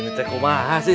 gini cek kumaha sih